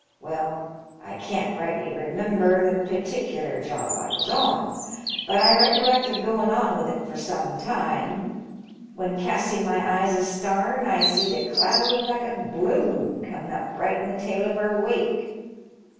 Well, I can't rightly remember the particular job I was on, but I recollect of goin* on with it for some time, when casting my eyes astarn I seed a cloud like a b'loon coming up right in the tail of our wake.